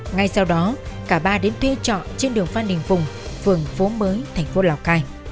ngay sau đó cả ba đến thuê trọ trên đường phan đình phùng phường phố mới thành phố lào cai